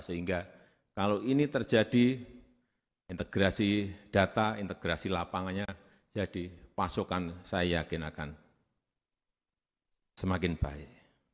sehingga kalau ini terjadi integrasi data integrasi lapangannya jadi pasokan saya yakin akan semakin baik